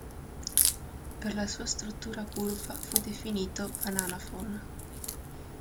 Per la sua struttura curva fu definito "banana phone".